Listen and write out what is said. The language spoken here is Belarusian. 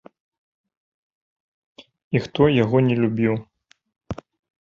І хто яго не любіў?